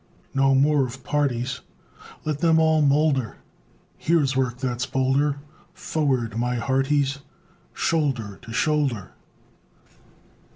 No more of parties! Let them all moulder Here's work that's bolder! Forward, my hearties! Shoulder to shoulder.